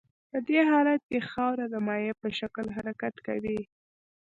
په دې حالت کې خاوره د مایع په شکل حرکت کوي